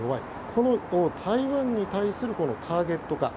この台湾に対するターゲット化。